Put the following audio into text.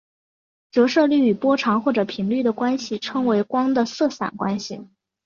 折射率与波长或者频率的关系称为光的色散关系。